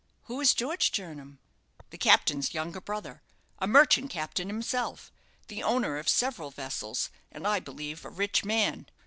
"Who is George Jernam?" "The captain's younger brother a merchant captain himself the owner of several vessels, and, I believe, a rich man.